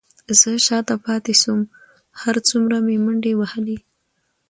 زه شاته پاتې شوم، هر څومره مې منډې وهلې،